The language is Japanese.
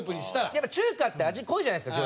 やっぱ中華って味濃いじゃないですか